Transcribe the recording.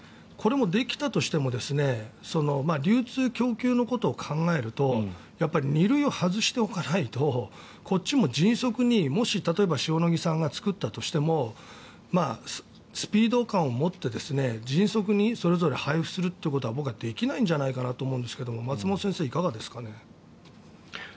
これもできたとしても流通、供給のことを考えるとやっぱり２類を外しておかないとこっちも迅速にもし塩野義さんが作ったとしてもスピード感を持って迅速にそれぞれ配布するということは僕はできないんじゃないかと思うんですけど松本先生、いかがですかね？